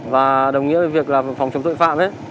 và đồng nghĩa với việc là phòng chống tội phạm